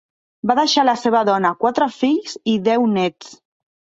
Va deixar la seva dona, quatre fills i deu néts.